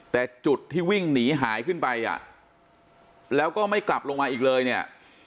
แต่จุดที่วิ่งหนีหายขึ้นไปอ่ะแล้วก็ไม่กลับลงมาอีกเลยเนี่ย